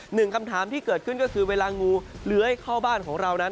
หนึ่งคำถามที่เกิดขึ้นก็คือเวลางูเลื้อยเข้าบ้านของเรานั้น